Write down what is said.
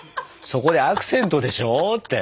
「そこでアクセントでしょ」って。